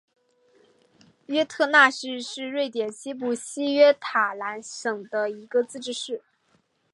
约特讷市是瑞典西部西约塔兰省的一个自治市。